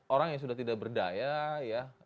orang yang sudah tidak berdaya ya